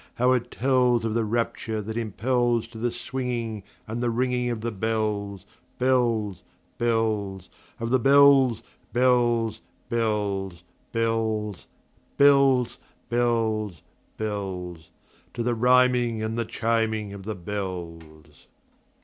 how it tellsOf the rapture that impelsTo the swinging and the ringingOf the bells, bells, bells, Of the bells, bells, bells, bells, Bells, bells, bells—To the rhyming and the chiming of the bells!